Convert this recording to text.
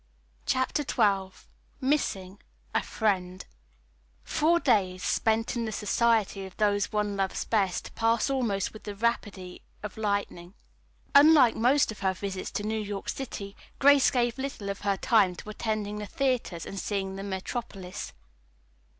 CHAPTER XII MISSING A FRIEND Four days, spent in the society of those one loves best, pass almost with the rapidity of lightning. Unlike most of her visits to New York City, Grace gave little of her time to attending the theatres and seeing the metropolis.